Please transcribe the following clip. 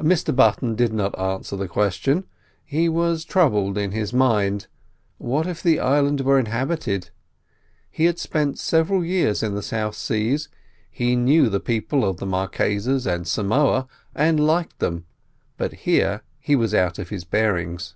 Mr Button did not answer the question. He was troubled in his mind. What if the island were inhabited? He had spent several years in the South Seas. He knew the people of the Marquesas and Samoa, and liked them. But here he was out of his bearings.